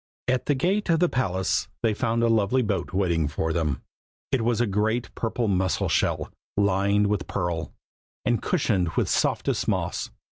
At the gate of the palace they found a lovely boat waiting for them. It was a great purple mussel shell, lined with pearl, and cushioned with softest moss.